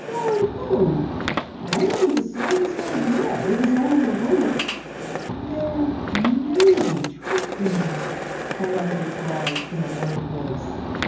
"By whom?" "I haven't the slightest idea. It was only a rumor." "There may be truth in it," Pauletta replied in a low voice.